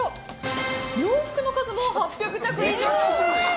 洋服の数も８００着以上！